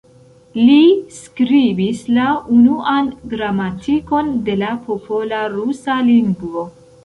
Li skribis la unuan gramatikon de la popola rusa lingvo.